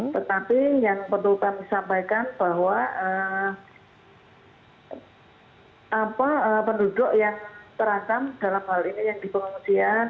tetapi yang perlu kami sampaikan bahwa penduduk yang terasa dalam hal ini yang di pengungsian